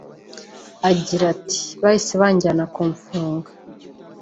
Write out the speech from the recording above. Agira ati “Bahise banjyana kumfunga